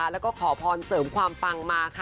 แล้วก็ขอพรเสริมความปังมาค่ะ